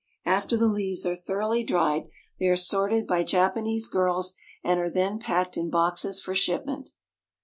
After the leaves are thoroughly dried, they are sorted by Japanese girls and are then packed in boxes for shipment.